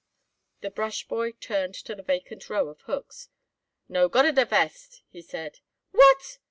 The brushboy turned to the vacant row of hooks. "No gotta da vest," he said. "What!"